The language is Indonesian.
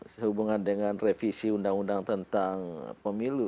sehubungan dengan revisi undang undang tentang pemilu